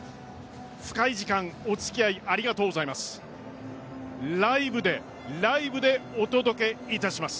深い時間、お付き合いありがとうございます。